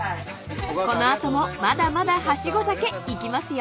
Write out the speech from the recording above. ［この後もまだまだはしご酒いきますよ］